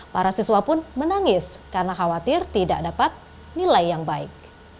para siswa pun menangis karena khawatir tidak dapat nilai yang baik